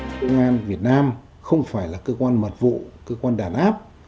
bộ công an việt nam không phải là cơ quan mật vụ cơ quan đàn áp